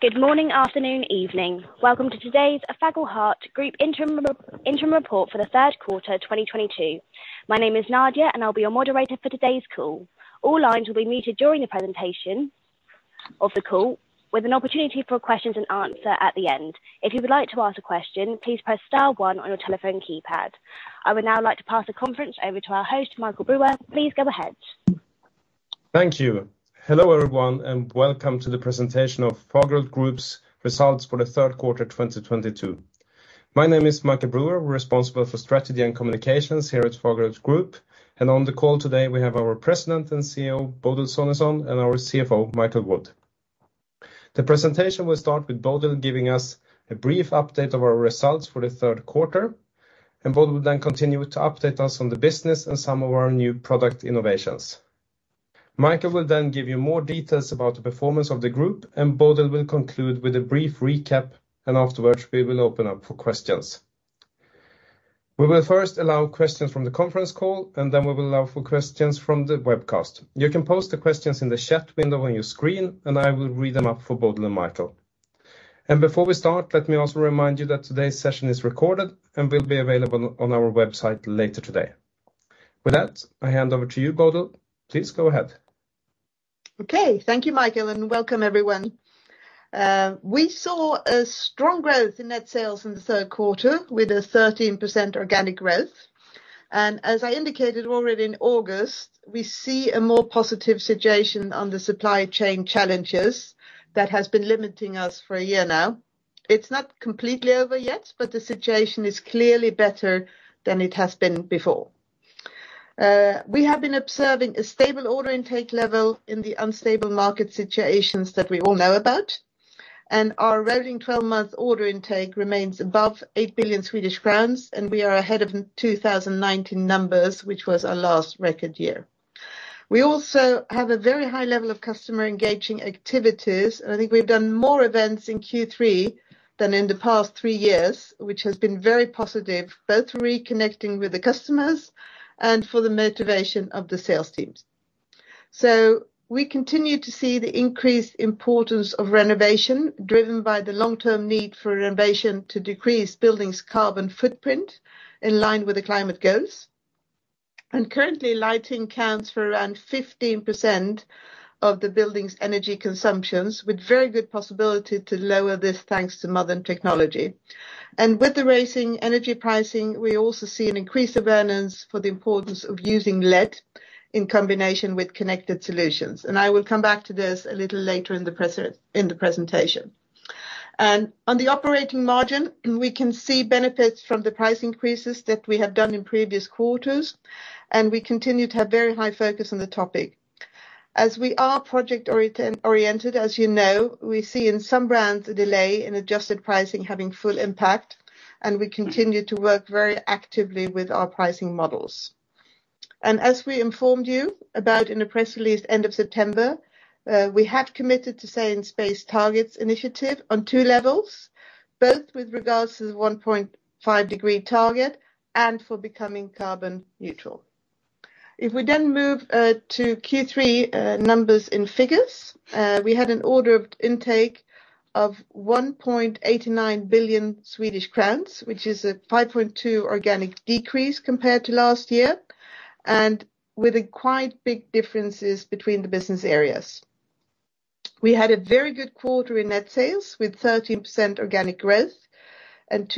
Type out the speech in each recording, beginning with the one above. Good morning, afternoon, evening. Welcome to today's Fagerhult Group interim report for the third quarter, 2022. My name is Nadia, and I'll be your moderator for today's call. All lines will be muted during the presentation of the call, with an opportunity for questions and answers at the end. If you would like to ask a question, please press star one on your telephone keypad. I would now like to pass the conference over to our host, Michael Brüer. Please go ahead. Thank you. Hello, everyone, and welcome to the presentation of Fagerhult Group's results for the third quarter, 2022. My name is Michael Brüer, responsible for strategy and communications here at Fagerhult Group. On the call today, we have our President and CEO, Bodil Sonesson, and our CFO, Michael Wood. The presentation will start with Bodil giving us a brief update of our results for the third quarter, and Bodil will then continue to update us on the business and some of our new product innovations. Michael will then give you more details about the performance of the group, and Bodil will conclude with a brief recap, and afterwards, we will open up for questions. We will first allow questions from the conference call, and then we will allow for questions from the webcast. You can post the questions in the chat window on your screen, and I will read them up for Bodil and Michael. Before we start, let me also remind you that today's session is recorded and will be available on our website later today. With that, I hand over to you, Bodil. Please go ahead. Okay. Thank you, Michael, and welcome everyone. We saw a strong growth in net sales in the third quarter with a 13% organic growth. As I indicated already in August, we see a more positive situation on the supply chain challenges that has been limiting us for a year now. It's not completely over yet, but the situation is clearly better than it has been before. We have been observing a stable order intake level in the unstable market situations that we all know about, and our rolling twelve-month order intake remains above 8 billion Swedish crowns, and we are ahead of 2019 numbers, which was our last record year. We also have a very high level of customer engaging activities, and I think we've done more events in Q3 than in the past three years, which has been very positive, both reconnecting with the customers and for the motivation of the sales teams. We continue to see the increased importance of renovation, driven by the long-term need for renovation to decrease buildings' carbon footprint in line with the climate goals. Currently, lighting counts for around 15% of the building's energy consumptions, with very good possibility to lower this, thanks to modern technology. With the rising energy pricing, we also see an increased awareness for the importance of using LED in combination with connected solutions. I will come back to this a little later in the presentation. On the operating margin, we can see benefits from the price increases that we have done in previous quarters, and we continue to have very high focus on the topic. As we are project oriented, as you know, we see in some brands a delay in adjusted pricing having full impact, and we continue to work very actively with our pricing models. As we informed you about in a press release end of September, we have committed to Science Based Targets initiative on two levels, both with regards to the 1.5-degree target and for becoming carbon neutral. If we then move to Q3 numbers and figures, we had an order intake of 1.89 billion Swedish crowns, which is a 5.2% organic decrease compared to last year, and with quite big differences between the business areas. We had a very good quarter in net sales with 13% organic growth and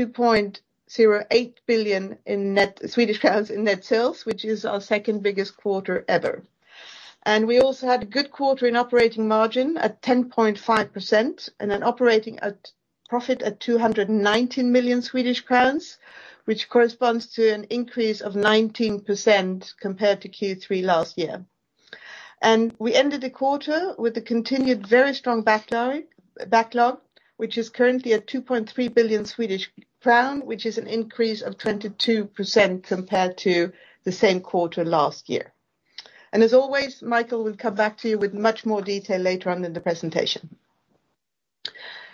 2.08 billion in net sales, which is our second biggest quarter ever. We also had a good quarter in operating margin at 10.5% and an operating profit at 219 million Swedish crowns, which corresponds to an increase of 19% compared to Q3 last year. We ended the quarter with a continued very strong backlog, which is currently at 2.3 billion Swedish crown, which is an increase of 22% compared to the same quarter last year. As always, Michael will come back to you with much more detail later on in the presentation.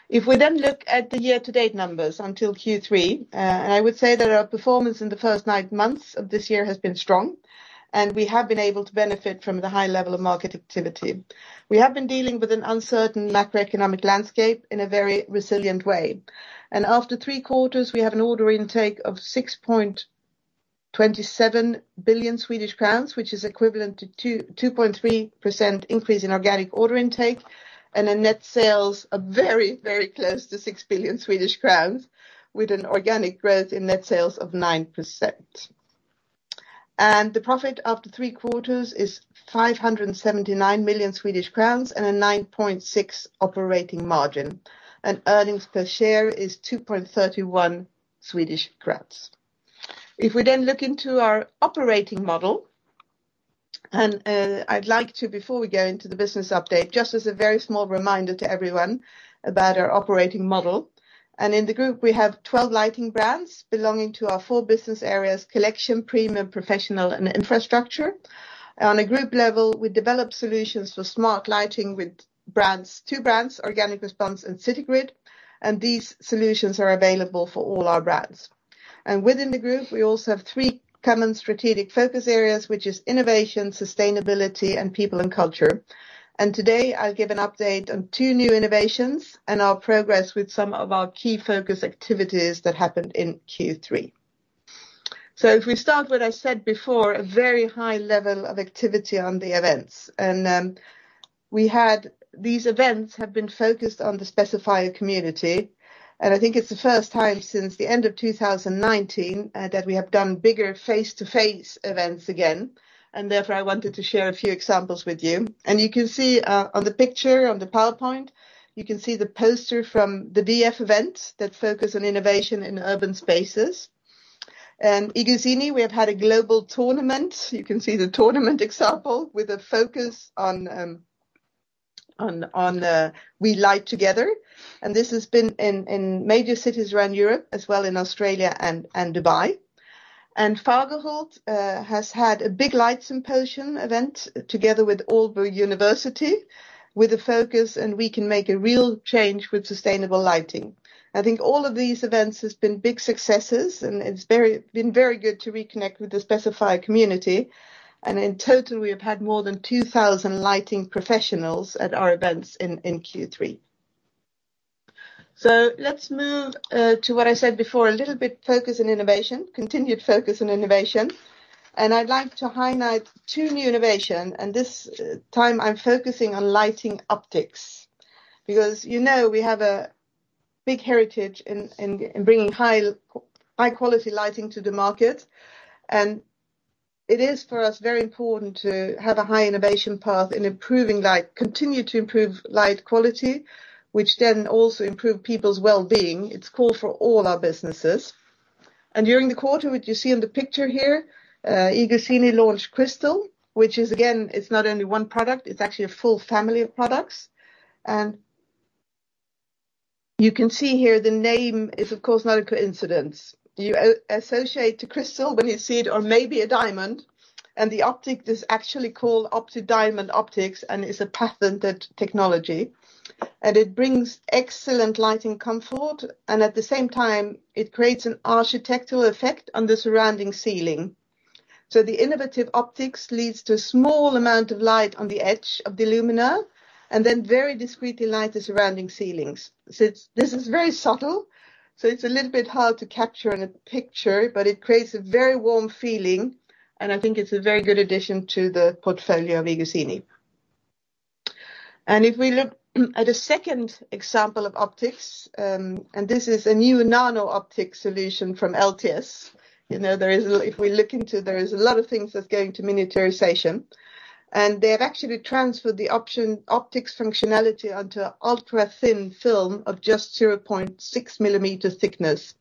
If we then look at the year-to-date numbers until Q3, and I would say that our performance in the first nine months of this year has been strong, and we have been able to benefit from the high level of market activity. We have been dealing with an uncertain macroeconomic landscape in a very resilient way. After three quarters, we have an order intake of 6.27 billion Swedish crowns, which is equivalent to 2.3% increase in organic order intake and a net sales of very, very close to 6 billion Swedish crowns with an organic growth in net sales of 9%. The profit after three quarters is 579 million Swedish crowns and a 9.6% operating margin. Earnings per share is 2.31. If we then look into our operating model, I'd like to, before we go into the business update, just as a very small reminder to everyone about our operating model. In the group, we have 12 lighting brands belonging to our four business areas: Collection, Premium, Professional, and Infrastructure. On a group level, we develop solutions for smart lighting with brands—2 brands, Organic Response and Citygrid. These solutions are available for all our brands. Within the group, we also have 3 common strategic focus areas, which is innovation, sustainability, and people and culture. Today, I'll give an update on 2 new innovations and our progress with some of our key focus activities that happened in Q3. If we start what I said before, a very high level of activity on the events. We had... These events have been focused on the specifier community, and I think it's the first time since the end of 2019 that we have done bigger face-to-face events again, and therefore, I wanted to share a few examples with you. You can see on the picture, on the PowerPoint, you can see the poster from the BF events that focus on innovation in urban spaces. iGuzzini, we have had a global tournament. You can see the tournament example with a focus on we light together, and this has been in major cities around Europe as well in Australia and Dubai. Fagerhult has had a big light symposium event together with Aalborg University with a focus, and we can make a real change with sustainable lighting. I think all of these events has been big successes, and it's been very good to reconnect with the specifier community. In total, we have had more than 2,000 lighting professionals at our events in Q3. Let's move to what I said before, a little bit focus on innovation, continued focus on innovation. I'd like to highlight two new innovation, and this time I'm focusing on lighting optics because you know we have a big heritage in bringing high-quality lighting to the market. It is for us very important to have a high innovation path in improving light, continue to improve light quality, which then also improve people's wellbeing. It's core for all our businesses. During the quarter, what you see on the picture here, iGuzzini launched Crystal, which is again, it's not only one product, it's actually a full family of products. You can see here the name is of course not a coincidence. You associate a crystal when you see it or maybe a diamond, and the optic is actually Opti-Diamond optics and is a patented technology, and it brings excellent lighting comfort, and at the same time, it creates an architectural effect on the surrounding ceiling. The innovative optics leads to a small amount of light on the edge of the luminaire and then very discreetly light the surrounding ceilings. This is very subtle, so it's a little bit hard to capture in a picture, but it creates a very warm feeling, and I think it's a very good addition to the portfolio of iGuzzini. If we look at a second example of optics, and this is a new nano-Optix solution from LTS. You know, there is a lot of things that's going to miniaturization. They have actually transferred the optics functionality onto an ultra-thin film of just 0.6 mm thickness.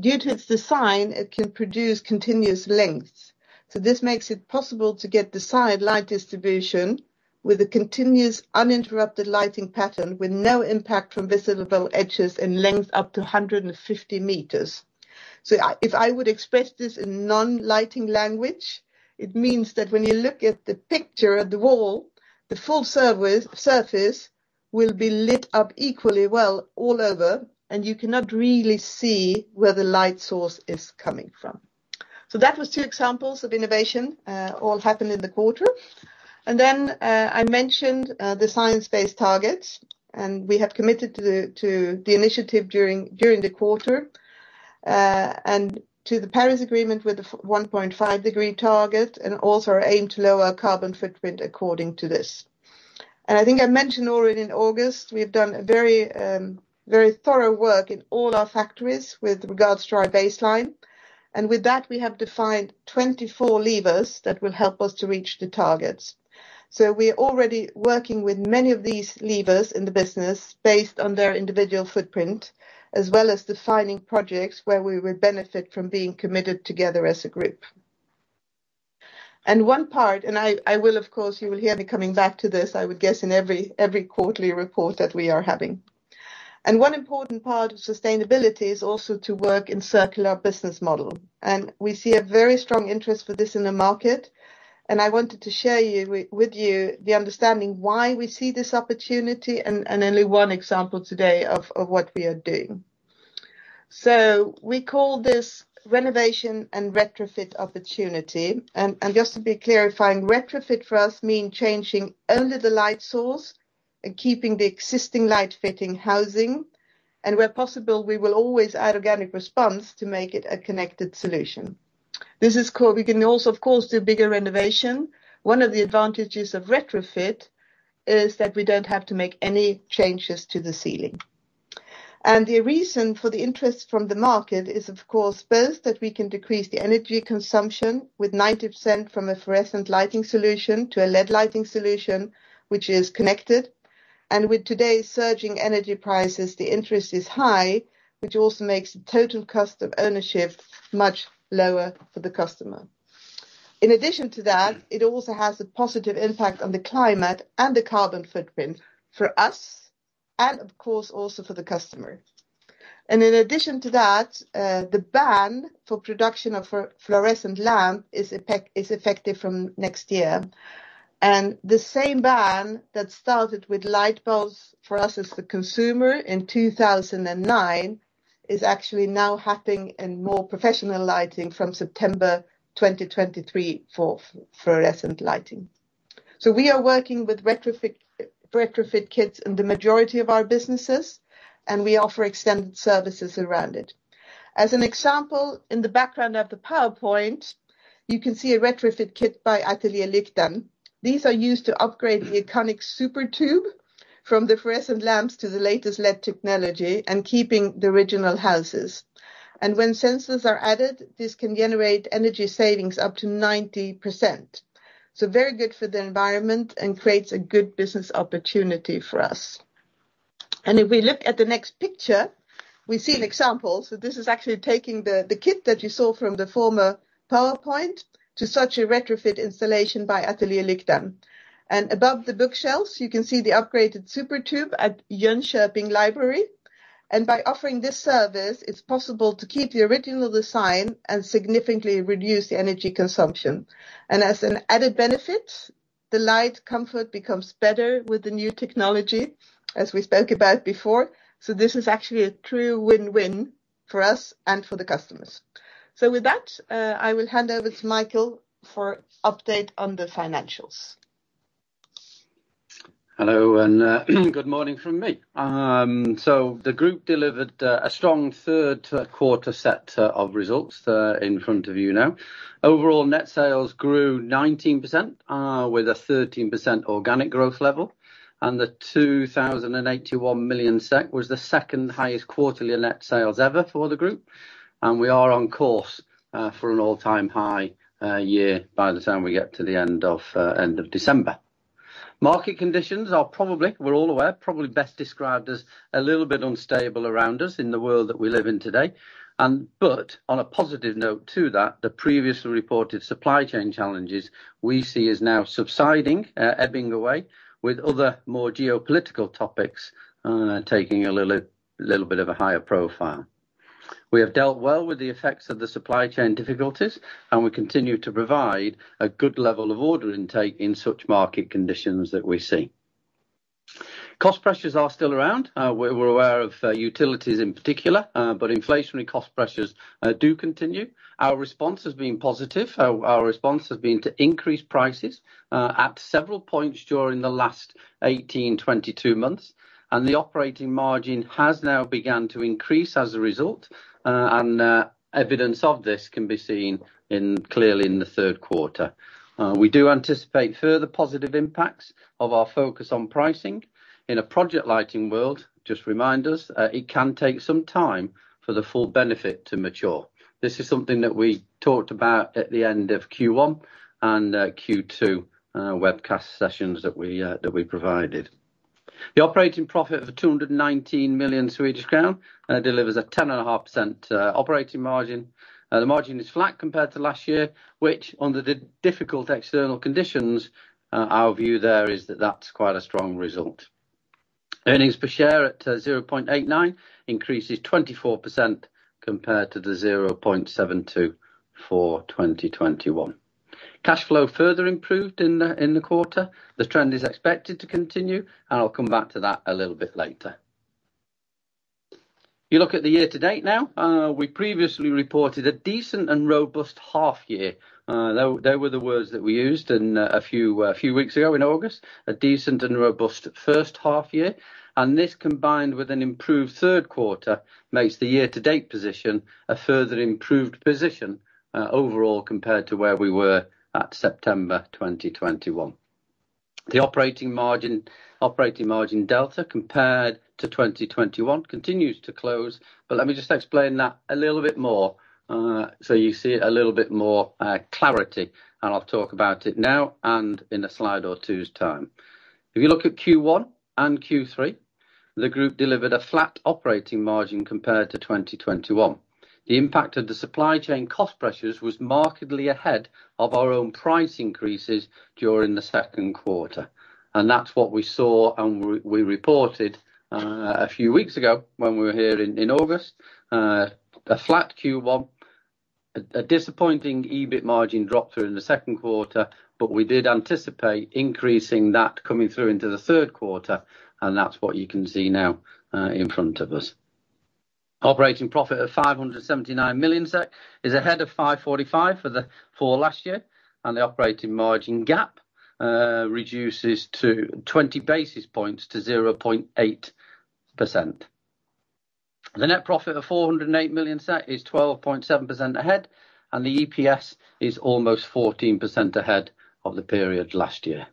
Due to its design, it can produce continuous lengths. This makes it possible to get the side light distribution with a continuous uninterrupted lighting pattern with no impact from visible edges in length up to 150 m. If I would express this in non-lighting language, it means that when you look at the picture of the wall, the full surface will be lit up equally well all over, and you cannot really see where the light source is coming from. That was two examples of innovation, all happened in the quarter. I mentioned the Science Based Targets, and we have committed to the initiative during the quarter, and to the Paris Agreement with the 1.5 degree target and also our aim to lower our carbon footprint according to this. I think I mentioned already in August, we've done a very very thorough work in all our factories with regards to our baseline. With that, we have defined 24 levers that will help us to reach the targets. We're already working with many of these levers in the business based on their individual footprint, as well as defining projects where we would benefit from being committed together as a group. One part, I will of course, you will hear me coming back to this, I would guess, in every quarterly report that we are having. One important part of sustainability is also to work in circular business model, and we see a very strong interest for this in the market. I wanted to share with you the understanding why we see this opportunity and only one example today of what we are doing. We call this renovation and retrofit opportunity. Just to clarify, retrofit for us mean changing only the light source and keeping the existing light fitting housing. Where possible, we will always add Organic Response to make it a connected solution. We can also of course do bigger renovation. One of the advantages of retrofit is that we don't have to make any changes to the ceiling. The reason for the interest from the market is of course both that we can decrease the energy consumption with 90% from a fluorescent lighting solution to a LED lighting solution, which is connected. With today's surging energy prices, the interest is high, which also makes the total cost of ownership much lower for the customer. In addition to that, it also has a positive impact on the climate and the carbon footprint for us and of course also for the customer. In addition to that, the ban for production of fluorescent lamp is effective from next year. The same ban that started with light bulbs for us as the consumer in 2009 is actually now happening in more professional lighting from September 2023 for fluorescent lighting. We are working with retrofit kits in the majority of our businesses, and we offer extended services around it. As an example, in the background of the PowerPoint, you can see a retrofit kit by ateljé Lyktan. These are used to upgrade the iconic SuperTube from the fluorescent lamps to the latest LED technology and keeping the original housings. When sensors are added, this can generate energy savings up to 90%. Very good for the environment and creates a good business opportunity for us. If we look at the next picture, we see an example. This is actually taking the kit that you saw from the former PowerPoint to such a retrofit installation by ateljé Lyktan. Above the bookshelves, you can see the upgraded SuperTube at Jönköping library. By offering this service, it's possible to keep the original design and significantly reduce the energy consumption. As an added benefit, the light comfort becomes better with the new technology, as we spoke about before. This is actually a true win-win for us and for the customers. With that, I will hand over to Michael for update on the financials. Hello, good morning from me. So the group delivered a strong third quarter set of results in front of you now. Overall, net sales grew 19%, with a 13% organic growth level, and 2,081 million SEK was the second-highest quarterly net sales ever for the group. We are on course for an all-time high year by the time we get to the end of December. Market conditions are probably, we're all aware, probably best described as a little bit unstable around us in the world that we live in today. On a positive note too that the previously reported supply chain challenges we see is now subsiding, ebbing away, with other more geopolitical topics taking a little bit of a higher profile. We have dealt well with the effects of the supply chain difficulties, and we continue to provide a good level of order intake in such market conditions that we see. Cost pressures are still around. We're aware of utilities in particular, but inflationary cost pressures do continue. Our response has been positive. Our response has been to increase prices at several points during the last 18-22 months, and the operating margin has now begun to increase as a result. Evidence of this can be seen clearly in the third quarter. We do anticipate further positive impacts of our focus on pricing. In a project lighting world, just remind us, it can take some time for the full benefit to mature. This is something that we talked about at the end of Q1 and Q2 webcast sessions that we provided. The operating profit of 219 million Swedish crown delivers a 10.5% operating margin. The margin is flat compared to last year, which under the difficult external conditions, our view there is that that's quite a strong result. Earnings per share at 0.89 increases 24% compared to the 0.72 for 2021. Cash flow further improved in the quarter. The trend is expected to continue, and I'll come back to that a little bit later. If you look at the year to date now, we previously reported a decent and robust half year. Those were the words that we used a few weeks ago in August, a decent and robust first half year. This, combined with an improved third quarter, makes the year-to-date position a further improved position overall compared to where we were at September 2021. The operating margin delta compared to 2021 continues to close, but let me just explain that a little bit more so you see a little bit more clarity, and I'll talk about it now and in a slide or two's time. If you look at Q1 and Q3, the group delivered a flat operating margin compared to 2021. The impact of the supply chain cost pressures was markedly ahead of our own price increases during the second quarter, and that's what we saw and we reported a few weeks ago when we were here in August. A flat Q1, a disappointing EBITDA margin drop through in the second quarter, but we did anticipate increasing that coming through into the third quarter, and that's what you can see now in front of us. Operating profit of 579 million SEK is ahead of 545 million for last year, and the operating margin gap reduces to 20 basis points to 0.8%. The net profit of 408 million is 12.7% ahead, and the EPS is almost 14% ahead of the period last year.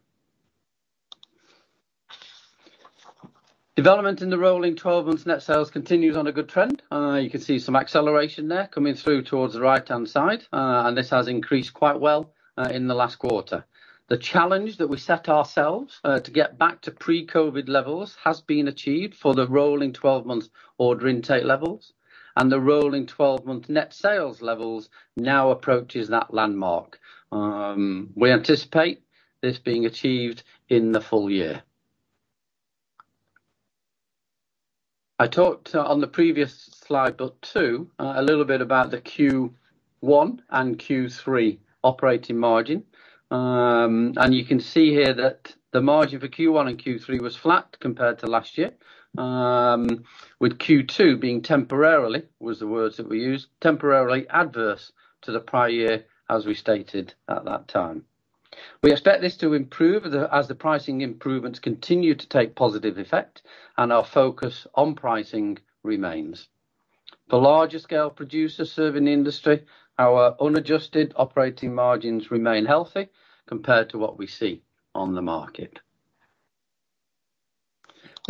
Development in the rolling 12-month net sales continues on a good trend. You can see some acceleration there coming through towards the right-hand side, and this has increased quite well, in the last quarter. The challenge that we set ourselves, to get back to pre-COVID levels has been achieved for the rolling 12-month order intake levels. The rolling 12-month net sales levels now approaches that landmark. We anticipate this being achieved in the full year. I talked on the previous slide, but two, a little bit about the Q1 and Q3 operating margin. You can see here that the margin for Q1 and Q3 was flat compared to last year, with Q2 being temporarily adverse to the prior year as we stated at that time. We expect this to improve the, as the pricing improvements continue to take positive effect, and our focus on pricing remains. The larger scale producer serving the industry, our unadjusted operating margins remain healthy compared to what we see on the market.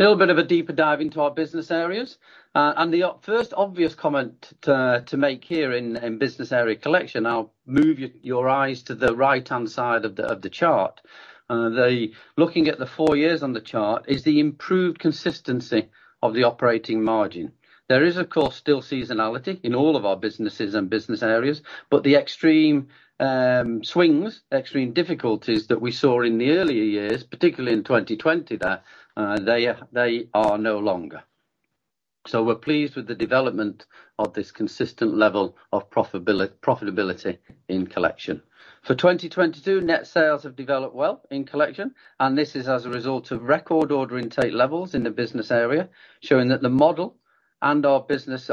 A little bit of a deeper dive into our business areas. The first obvious comment to make here in business area Collection, I'll move your eyes to the right-hand side of the chart. Looking at the four years on the chart is the improved consistency of the operating margin. There is, of course, still seasonality in all of our businesses and business areas, but the extreme swings, extreme difficulties that we saw in the earlier years, particularly in 2020 there, they are no longer. We're pleased with the development of this consistent level of profitability in Collection. For 2022, net sales have developed well in Collection, and this is as a result of record order intake levels in the business area, showing that the model our businesses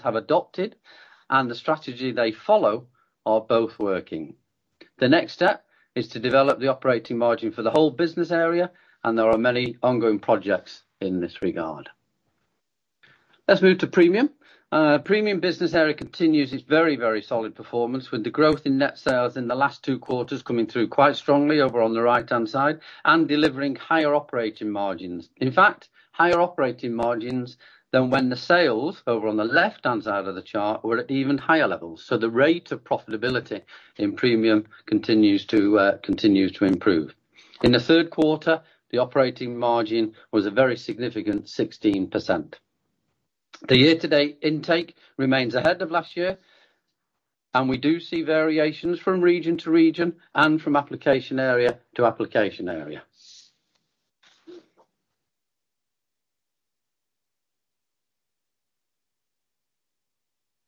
have adopted and the strategy they follow are both working. The next step is to develop the operating margin for the whole business area, and there are many ongoing projects in this regard. Let's move to Premium. Premium business area continues its very, very solid performance with the growth in net sales in the last two quarters coming through quite strongly over on the right-hand side and delivering higher operating margins. In fact, higher operating margins than when the sales over on the left-hand side of the chart were at even higher levels. The rate of profitability in Premium continues to improve. In the third quarter, the operating margin was a very significant 16%. The year-to-date intake remains ahead of last year, and we do see variations from region to region and from application area to application area.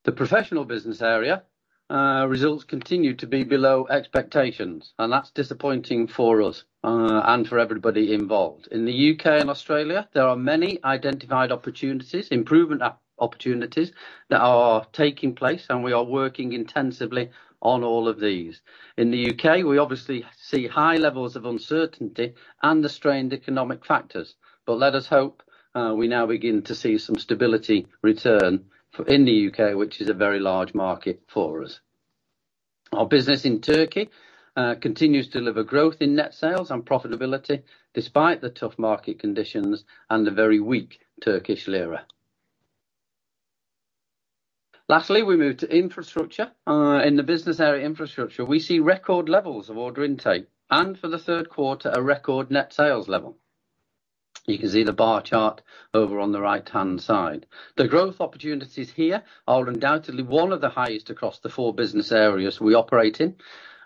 The Professional business area results continue to be below expectations, and that's disappointing for us and for everybody involved. In the U.K. and Australia, there are many identified opportunities, improvement opportunities that are taking place, and we are working intensively on all of these. In the U.K., we obviously see high levels of uncertainty and the strained economic factors. Let us hope we now begin to see some stability return in the U.K., which is a very large market for us. Our business in Turkey continues to deliver growth in net sales and profitability despite the tough market conditions and the very weak Turkish lira. Lastly, we move to Infrastructure. In the business area Infrastructure, we see record levels of order intake, and for the third quarter, a record net sales level. You can see the bar chart over on the right-hand side. The growth opportunities here are undoubtedly one of the highest across the four business areas we operate in,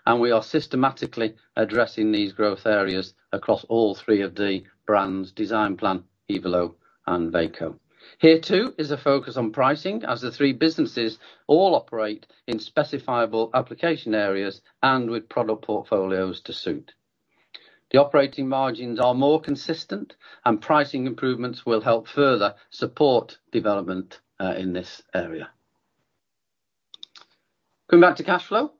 and we are systematically addressing these growth areas across all three of the brands Designplan, i-Valo, and Veko. Here, too, is a focus on pricing as the three businesses all operate in specifiable application areas and with product portfolios to suit. The operating margins are more consistent, and pricing improvements will help further support development in this area. Going back to cash flow.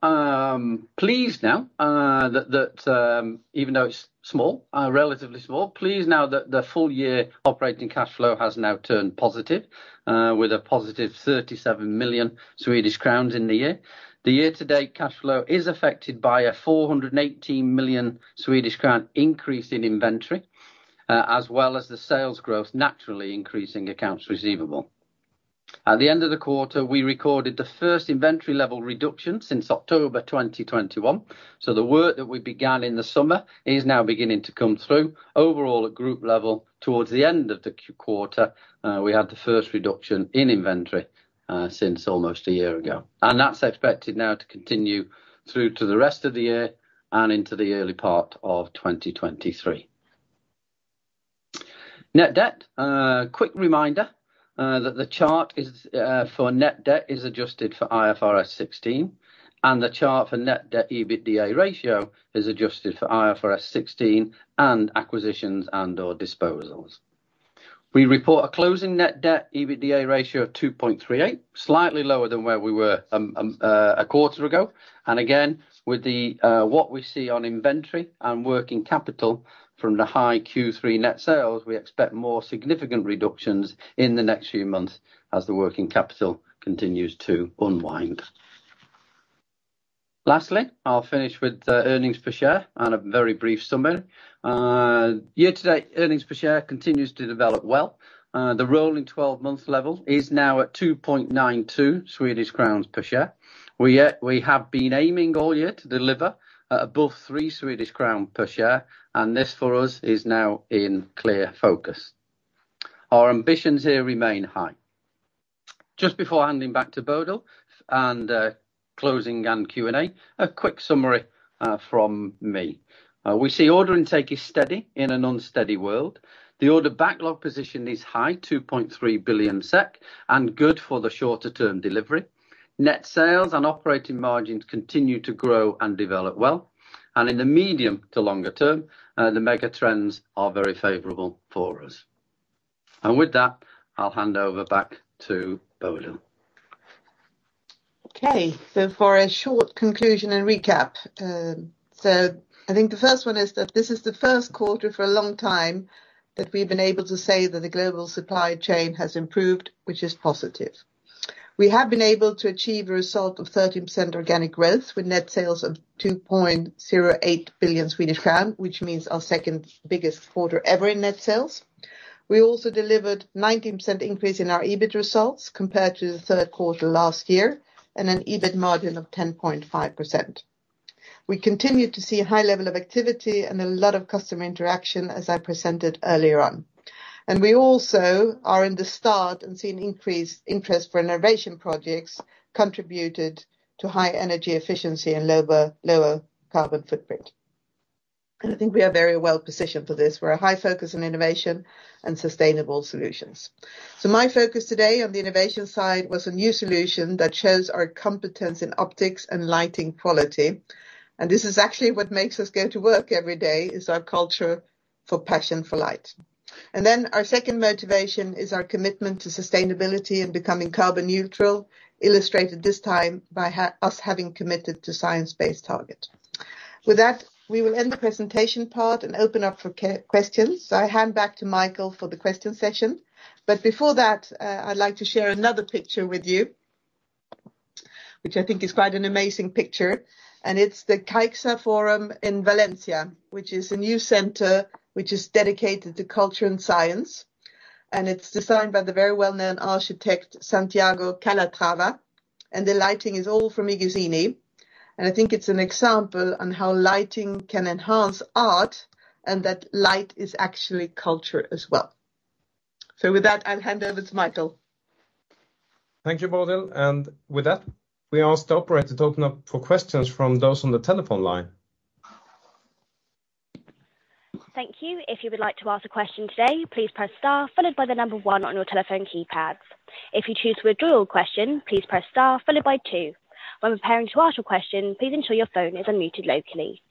Pleased now that even though it's small, relatively small, the full-year operating cash flow has now turned positive, with a positive 37 million Swedish crowns in the year. The year-to-date cash flow is affected by a 418 million Swedish crown increase in inventory, as well as the sales growth naturally increasing accounts receivable. At the end of the quarter, we recorded the first inventory level reduction since October 2021. The work that we began in the summer is now beginning to come through. Overall, at group level, towards the end of the quarter, we had the first reduction in inventory since almost a year ago. That's expected now to continue through to the rest of the year and into the early part of 2023. Net debt. Quick reminder that the chart is for net debt is adjusted for IFRS 16, and the chart for net debt EBITDA ratio is adjusted for IFRS 16 and acquisitions and/or disposals. We report a closing net debt EBITDA ratio of 2.38, slightly lower than where we were a quarter ago. Again, with what we see on inventory and working capital from the high Q3 net sales, we expect more significant reductions in the next few months as the working capital continues to unwind. Lastly, I'll finish with the earnings per share and a very brief summary. Year to date, earnings per share continues to develop well. The rolling 12-month level is now at 2.92 Swedish crowns per share. We have been aiming all year to deliver above 3 Swedish crown per share, and this for us is now in clear focus. Our ambitions here remain high. Just before handing back to Bodil and closing and Q&A, a quick summary from me. We see order intake is steady in a non-steady world. The order backlog position is high, 2.3 billion SEK, and good for the shorter term delivery. Net sales and operating margins continue to grow and develop well. In the medium to longer term, the mega trends are very favorable for us. With that, I'll hand over back to Bodil. Okay. For a short conclusion and recap. I think the first one is that this is the first quarter for a long time that we've been able to say that the global supply chain has improved, which is positive. We have been able to achieve a result of 13% organic growth with net sales of 2.08 billion Swedish crown, which means our second-biggest quarter ever in net sales. We also delivered 19% increase in our EBITDA results compared to the third quarter last year, and an EBITDA margin of 10.5%. We continue to see a high level of activity and a lot of customer interaction, as I presented earlier on. We also are starting to see an increased interest for renovation projects contributed to high energy efficiency and lower carbon footprint. I think we are very well-positioned for this. We have a high focus on innovation and sustainable solutions. My focus today on the innovation side was a new solution that shows our competence in optics and lighting quality. This is actually what makes us go to work every day, is our culture for passion for light. Our second motivation is our commitment to sustainability and becoming carbon neutral, illustrated this time by us having committed to Science Based Targets. With that, we will end the presentation part and open up for questions. I hand back to Michael for the question session. Before that, I'd like to share another picture with you, which I think is quite an amazing picture. It's the CaixaForum in Valencia, which is a new center which is dedicated to culture and science. It's designed by the very well-known architect, Santiago Calatrava. The lighting is all from iGuzzini. I think it's an example on how lighting can enhance art and that light is actually culture as well. With that, I'll hand over to Michael. Thank you, Bodil. With that, we ask the operator to open up for questions from those on the telephone line. Thank you. If you would like to ask a question today, please press star followed by the number one on your telephone keypads. If you choose to withdraw your question, please press star followed by two. When preparing to ask your question, please ensure your phone is unmuted locally.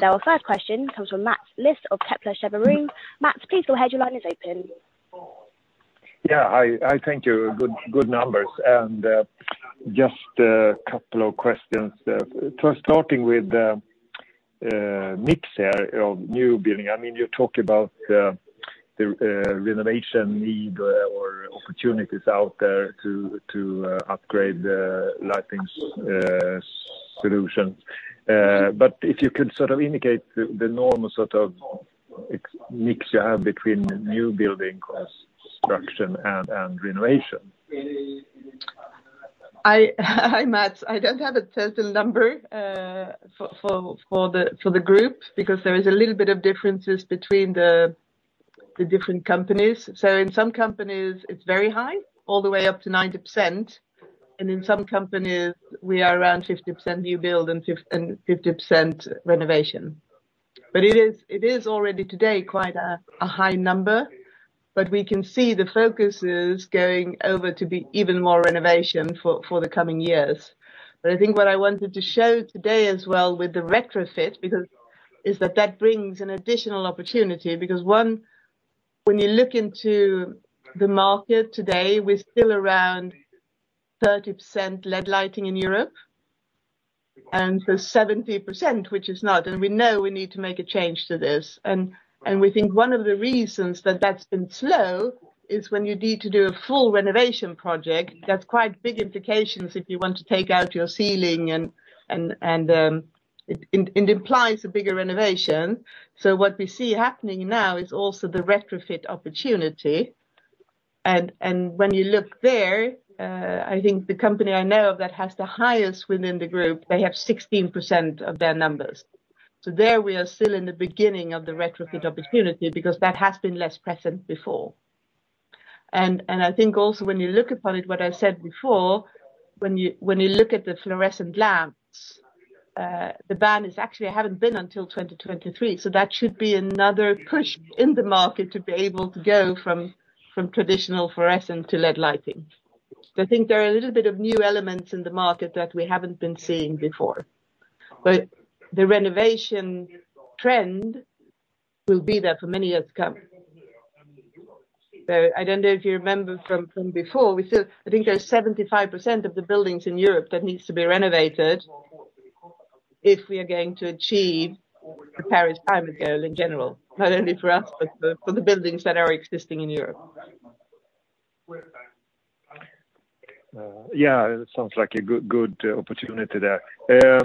Our first question comes from Mats Liss of Kepler Cheuvreux. Mats, please go ahead. Your line is open. Yeah, I thank you. Good numbers. Just a couple of questions. First starting with the mix here of new building. I mean, you talk about the renovation need or opportunities out there to upgrade the lighting solutions. If you could sort of indicate the normal sort of mix you have between new building construction and renovation. Hi, Mats. I don't have a total number for the group because there is a little bit of differences between the different companies. In some companies, it's very high, all the way up to 90%. In some companies, we are around 50% new build and 50% renovation. It is already today quite a high number, but we can see the focus is going over to be even more renovation for the coming years. I think what I wanted to show today as well with the retrofit is that that brings an additional opportunity. Because one, when you look into the market today, we're still around 30% LED lighting in Europe, and so 70%, which is not. We know we need to make a change to this. We think one of the reasons that that's been slow is when you need to do a full renovation project. That's quite big implications if you want to take out your ceiling and it implies a bigger renovation. What we see happening now is also the retrofit opportunity. When you look there, I think the company I know of that has the highest within the group, they have 16% of their numbers. There we are still in the beginning of the retrofit opportunity because that has been less present before. I think also when you look upon it, what I said before, when you look at the fluorescent lamps, the ban is actually haven't been until 2023. That should be another push in the market to be able to go from traditional fluorescent to LED lighting. I think there are a little bit of new elements in the market that we haven't been seeing before. The renovation trend will be there for many years to come. I don't know if you remember from before, I think there's 75% of the buildings in Europe that needs to be renovated if we are going to achieve the Paris Agreement goal in general. Not only for us, but for the buildings that are existing in Europe. Yeah, it sounds like a good opportunity there.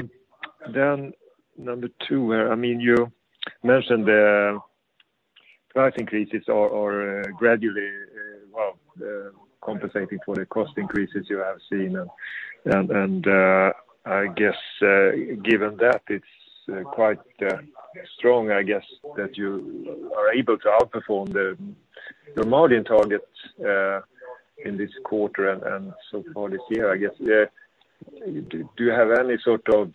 Number two, I mean, you mentioned the price increases are gradually compensating for the cost increases you have seen. I guess, given that it's quite strong, I guess, that you are able to outperform the margin targets in this quarter and so far this year, I guess. Do you have any sort of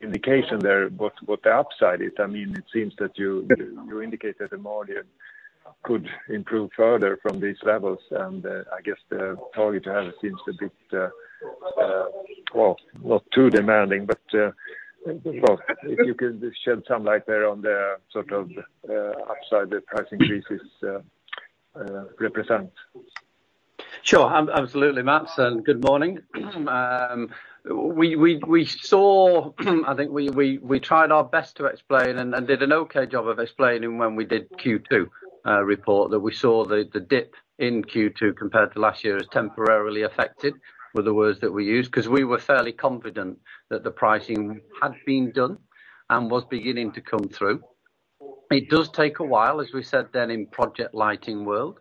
indication there what the upside is? I mean, it seems that you- Yeah. You indicated the margin could improve further from these levels. I guess the target you have seems a bit, well, not too demanding. Well, if you could shed some light there on the sort of upside the price increases represent. Sure. Absolutely, Mats, and good morning. We saw—I think we tried our best to explain and did an okay job of explaining when we did Q2 report that we saw the dip in Q2 compared to last year is temporarily affected, were the words that we used, 'cause we were fairly confident that the pricing had been done and was beginning to come through. It does take a while, as we said then in Project Lighting world,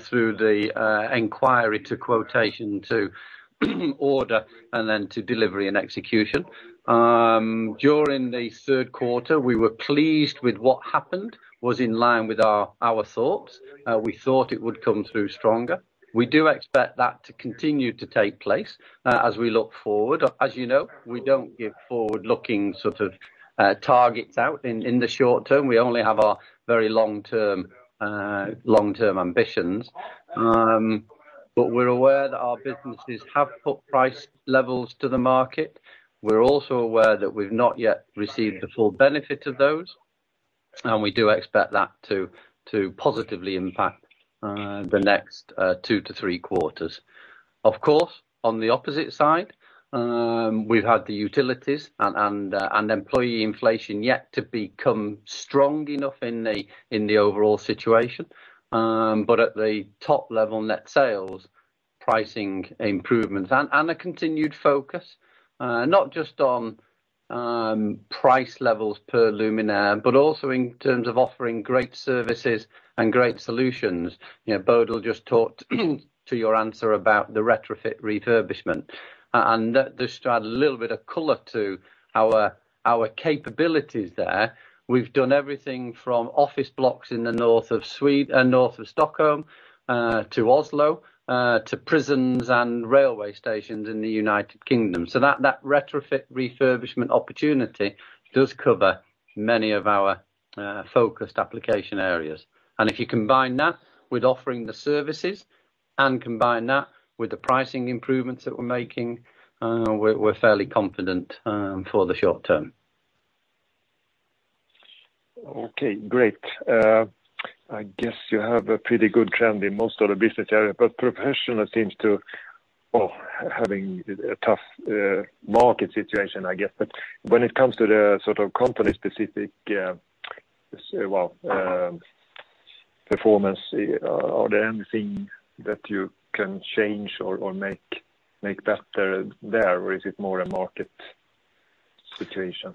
through the inquiry to quotation to order and then to delivery and execution. During the third quarter, we were pleased with what happened, was in line with our thoughts. We thought it would come through stronger. We do expect that to continue to take place, as we look forward. As you know, we don't give forward-looking sort of targets out in the short term. We only have our very long-term ambitions. We're aware that our businesses have put price levels to the market. We're also aware that we've not yet received the full benefit of those, and we do expect that to positively impact the next 2-3 quarters. Of course, on the opposite side, we've had the utilities and employee inflation yet to become strong enough in the overall situation. At the top level net sales, pricing improvements and a continued focus not just on price levels per luminaire, but also in terms of offering great services and great solutions. You know, Bodil just talked to you about the retrofit refurbishment. Just to add a little bit of color to our capabilities there, we've done everything from office blocks in the north of Stockholm to Oslo to prisons and railway stations in the United Kingdom. That retrofit refurbishment opportunity does cover many of our focused application areas. If you combine that with offering the services and combine that with the pricing improvements that we're making, we're fairly confident for the short term. Okay, great. I guess you have a pretty good trend in most of the business area, but Professional seems to having a tough market situation, I guess. When it comes to the sort of company specific performance, are there anything that you can change or make better there, or is it more a market situation?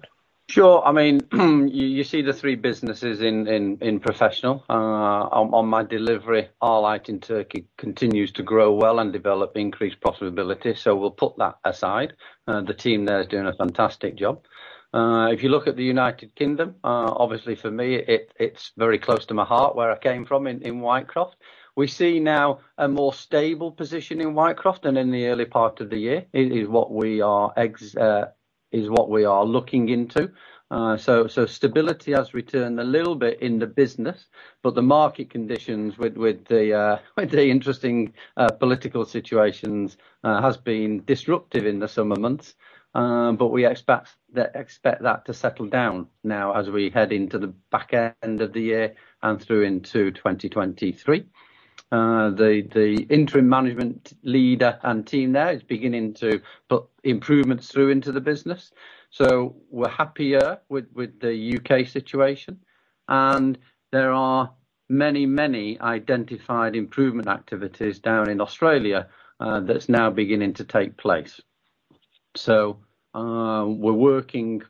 Sure. I mean, you see the three businesses in Professional. On my delivery, Arlight in Turkey continues to grow well and develop increased profitability, so we'll put that aside. The team there is doing a fantastic job. If you look at the United Kingdom, obviously for me, it's very close to my heart where I came from in Whitecroft. We see now a more stable position in Whitecroft than in the early part of the year, is what we are looking into. So stability has returned a little bit in the business, but the market conditions with the interesting political situations has been disruptive in the summer months. We expect that to settle down now as we head into the back end of the year and through into 2023. The interim management leader and team there is beginning to put improvements through into the business. We're happier with the UK situation, and there are many identified improvement activities down in Australia that's now beginning to take place. We're working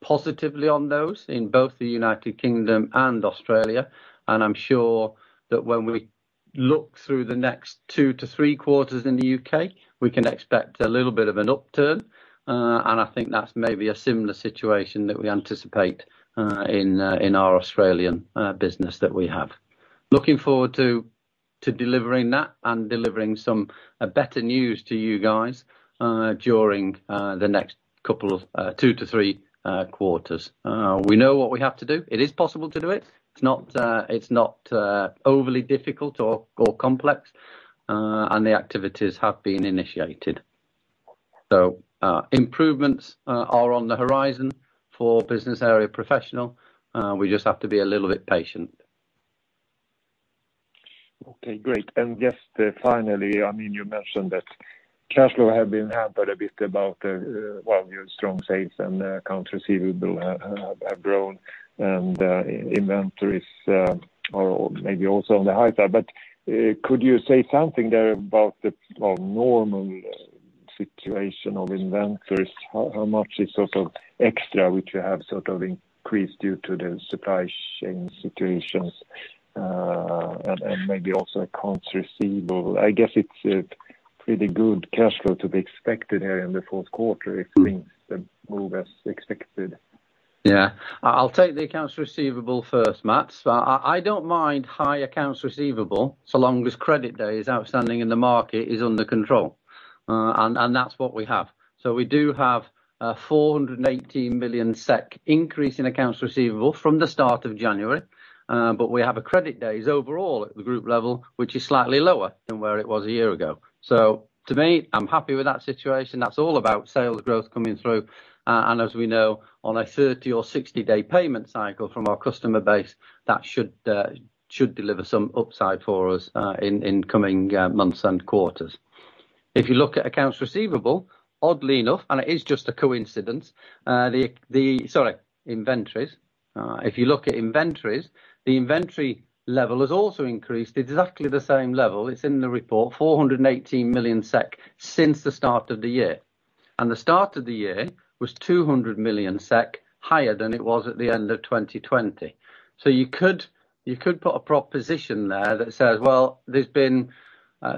positively on those in both the United Kingdom and Australia, and I'm sure that when we look through the next two to three quarters in the UK, we can expect a little bit of an upturn. I think that's maybe a similar situation that we anticipate in our Australian business that we have. Looking forward to delivering that and delivering some better news to you guys during the next 2-3 quarters. We know what we have to do. It is possible to do it. It's not overly difficult or complex, and the activities have been initiated. Improvements are on the horizon for business area Professional. We just have to be a little bit patient. Okay, great. Just, finally, I mean, you mentioned that cash flow had been hampered a bit by the well, your strong sales and accounts receivable have grown and inventories are maybe also on the high side. But could you say something there about the well, normal situation of inventories? How much is sort of extra, which you have sort of increased due to the supply chain situations? Maybe also accounts receivable. I guess it's pretty good cash flow to be expected here in the fourth quarter if things then move as expected. I'll take the accounts receivable first, Mats. I don't mind high accounts receivable, so long as credit days outstanding in the market is under control. That's what we have. We do have a 418 million SEK increase in accounts receivable from the start of January. But we have a credit days overall at the group level, which is slightly lower than where it was a year ago. To me, I'm happy with that situation. That's all about sales growth coming through, and as we know, on a 30- or 60-day payment cycle from our customer base, that should deliver some upside for us in coming months and quarters. If you look at accounts receivable, oddly enough, and it is just a coincidence, the inventories. If you look at inventories, the inventory level has also increased exactly the same level. It's in the report, 418 million SEK since the start of the year. The start of the year was 200 million SEK higher than it was at the end of 2020. You could put a proposition there that says, well, there's been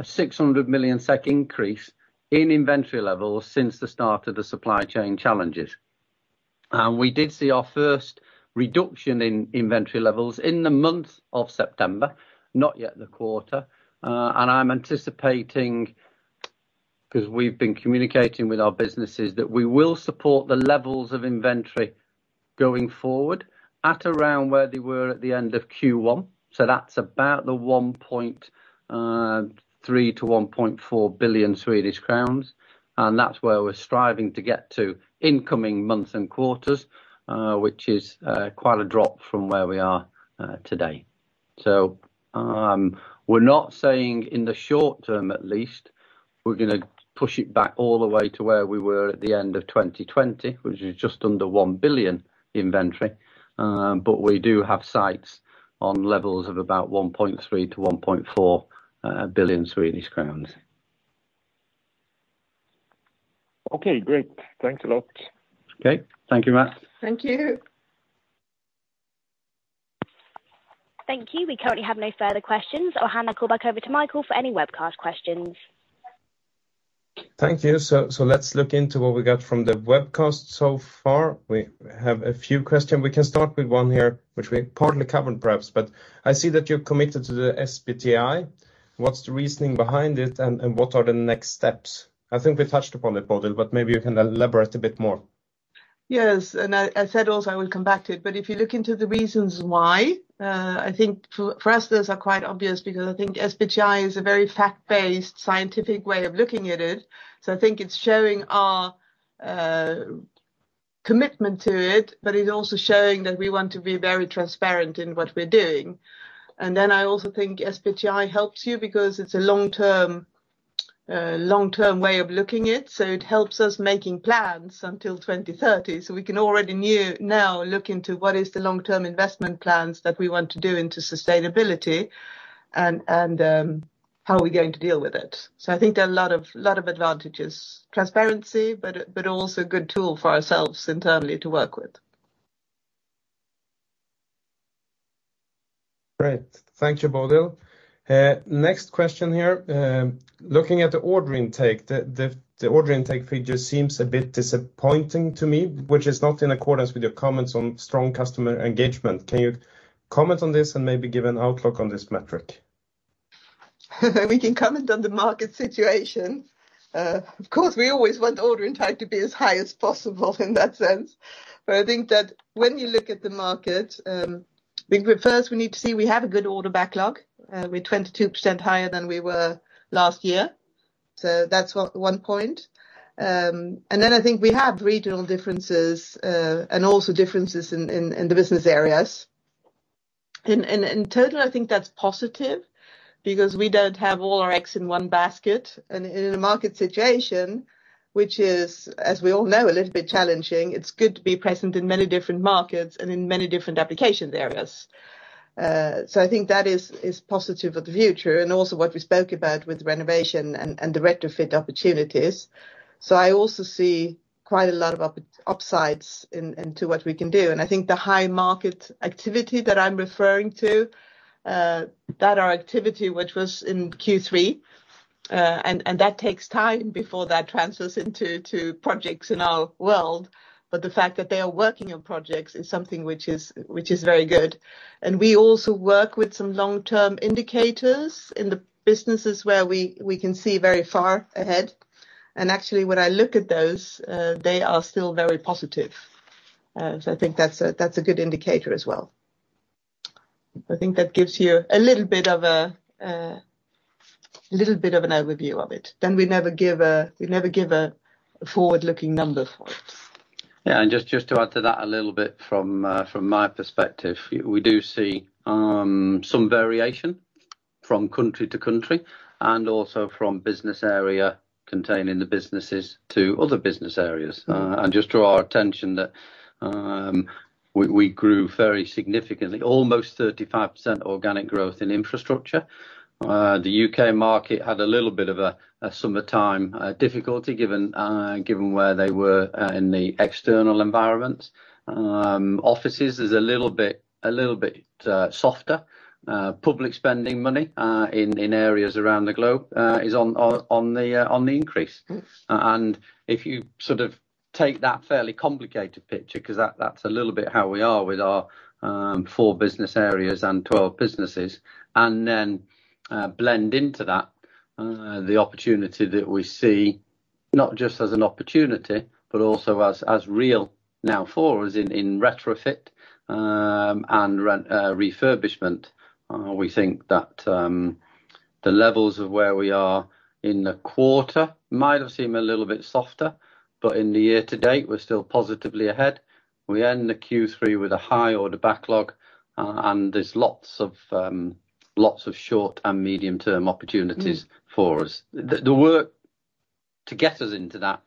600 million SEK increase in inventory levels since the start of the supply chain challenges. We did see our first reduction in inventory levels in the month of September, not yet the quarter. I'm anticipating, 'cause we've been communicating with our businesses, that we will support the levels of inventory going forward at around where they were at the end of Q1. That's about 1.3 billion-1.4 billion Swedish crowns, and that's where we're striving to get to in coming months and quarters, which is quite a drop from where we are today. We're not saying in the short term, at least, we're gonna push it back all the way to where we were at the end of 2020, which is just under 1 billion inventory. We do have sights on levels of about 1.3 billion-1.4 billion Swedish crowns. Okay, great. Thanks a lot. Okay. Thank you, Mats. Thank you. Thank you. We currently have no further questions. I'll hand the call back over to Michael for any webcast questions. Thank you. Let's look into what we got from the webcast so far. We have a few questions. We can start with one here, which we partly covered, perhaps, but I see that you're committed to the SBTi. What's the reasoning behind it and what are the next steps? I think we touched upon it, Bodil, but maybe you can elaborate a bit more. Yes, I said also I will come back to it. If you look into the reasons why, I think for us those are quite obvious because I think SBTi is a very fact-based, scientific way of looking at it. I think it's showing our commitment to it, but it's also showing that we want to be very transparent in what we're doing. I also think SBTi helps you because it's a long-term way of looking it. It helps us making plans until 2030. We can now look into what is the long-term investment plans that we want to do into sustainability and how are we going to deal with it. I think there are a lot of advantages. Transparency, also a good tool for ourselves internally to work with. Great. Thank you, Bodil. Next question here. Looking at the order intake, the order intake figure seems a bit disappointing to me, which is not in accordance with your comments on strong customer engagement. Can you comment on this and maybe give an outlook on this metric? We can comment on the market situation. Of course, we always want order intake to be as high as possible in that sense. I think that when you look at the market, I think we first need to see we have a good order backlog. We're 22% higher than we were last year. That's one point. Then I think we have regional differences, and also differences in the business areas. In total, I think that's positive because we don't have all our eggs in one basket and in a market situation, which is, as we all know, a little bit challenging, it's good to be present in many different markets and in many different application areas. I think that is positive for the future and also what we spoke about with renovation and the retrofit opportunities. I also see quite a lot of upside in what we can do. I think the high market activity that I'm referring to, that our activity which was in Q3, and that takes time before that transfers into projects in our world. The fact that they are working on projects is something which is very good. We also work with some long-term indicators in the businesses where we can see very far ahead. Actually, when I look at those, they are still very positive. I think that's a good indicator as well. I think that gives you a little bit of an overview of it. We never give a forward-looking number for it. Yeah. Just to add to that a little bit from my perspective, we do see some variation from country to country, and also from business area containing the businesses to other business areas. We grew very significantly, almost 35% organic growth in Infrastructure. The U.K. market had a little bit of a summertime difficulty given where they were in the external environment. Offices is a little bit softer. Public spending money in areas around the globe is on the increase. Mm. If you sort of take that fairly complicated picture, 'cause that's a little bit how we are with our four business areas and 12 businesses, and then blend into that the opportunity that we see, not just as an opportunity but also as real now for us in retrofit and refurbishment. We think that the levels of where we are in the quarter might have seemed a little bit softer, but in the year to date, we're still positively ahead. We end the Q3 with a high order backlog, and there's lots of short and medium term opportunities. Mm ...for us. The work to get us into that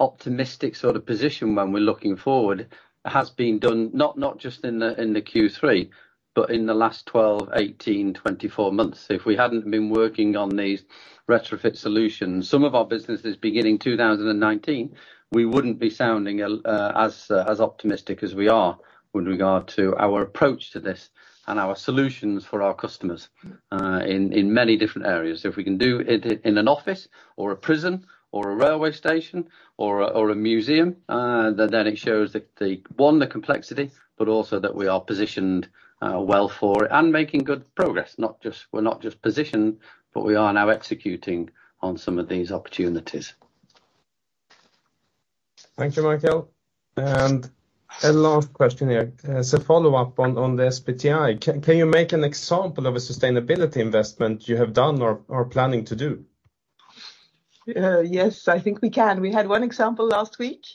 optimistic sort of position when we're looking forward has been done not just in the Q3, but in the last 12, 18, 24 months. If we hadn't been working on these retrofit solutions, some of our businesses beginning 2019, we wouldn't be sounding as optimistic as we are with regard to our approach to this and our solutions for our customers. Mm in many different areas. If we can do it in an office or a prison or a railway station or a museum, then it shows the complexity, but also that we are positioned well for and making good progress, not just positioned, but we are now executing on some of these opportunities. Thank you, Michael. A last question here. As a follow-up on the SBTi, can you make an example of a sustainability investment you have done or planning to do? Yes, I think we can. We had one example last week,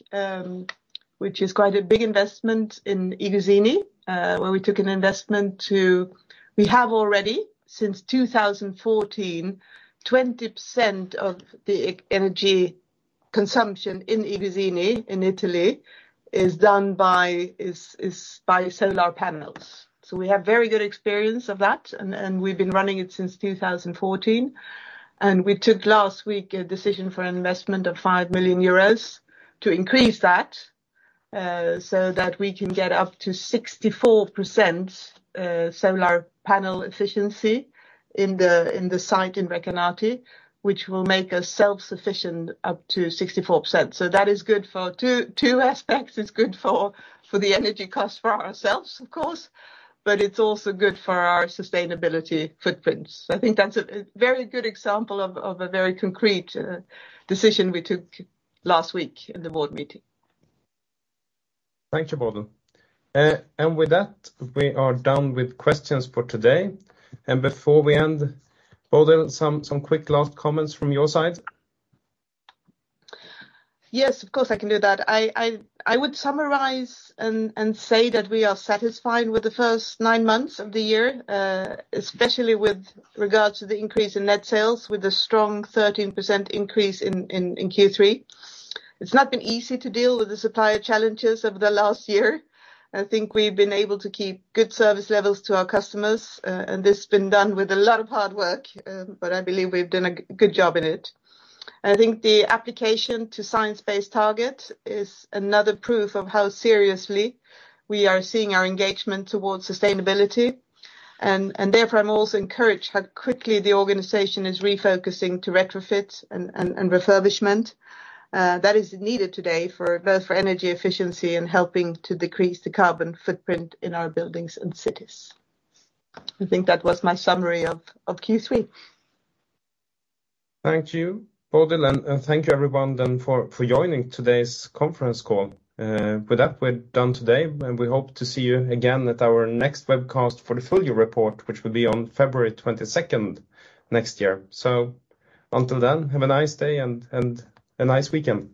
which is quite a big investment in iGuzzini. We have already, since 2014, 20% of the energy consumption in iGuzzini in Italy is done by solar panels. We have very good experience of that, and we've been running it since 2014. We took last week a decision for an investment of 5 million euros to increase that, so that we can get up to 64% solar panel efficiency in the site in Recanati, which will make us self-sufficient up to 64%. That is good for two aspects. It's good for the energy cost for ourselves, of course, but it's also good for our sustainability footprints. I think that's a very good example of a very concrete decision we took last week in the board meeting. Thank you, Bodil. With that, we are done with questions for today. Before we end, Bodil, some quick last comments from your side? Yes, of course, I can do that. I would summarize and say that we are satisfied with the first nine months of the year, especially with regards to the increase in net sales with a strong 13% increase in Q3. It's not been easy to deal with the supplier challenges over the last year. I think we've been able to keep good service levels to our customers, and this has been done with a lot of hard work, but I believe we've done a good job in it. I think the application to Science Based Targets is another proof of how seriously we are seeing our engagement towards sustainability, and therefore, I'm also encouraged how quickly the organization is refocusing to retrofit and refurbishment. That is needed today for both energy efficiency and helping to decrease the carbon footprint in our buildings and cities. I think that was my summary of Q3. Thank you, Bodil, and thank you, everyone, then for joining today's conference call. With that, we're done today, and we hope to see you again at our next webcast for the full year report, which will be on February twenty-second next year. Until then, have a nice day and a nice weekend.